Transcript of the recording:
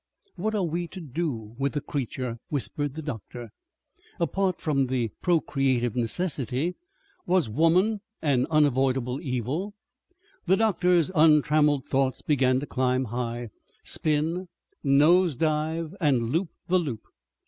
"What are we to do with the creature?" whispered the doctor. Apart from the procreative necessity, was woman an unavoidable evil? The doctor's untrammelled thoughts began to climb high, spin, nose dive and loop the loop.